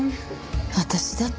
私だって。